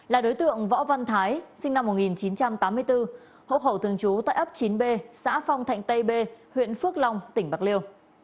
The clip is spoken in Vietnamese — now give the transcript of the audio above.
là đối tượng võ văn thái sinh năm một nghìn chín trăm tám mươi bốn hộ khẩu thường trú tại ấp chín b xã phong thạnh tây b huyện phước long tỉnh bạc liêu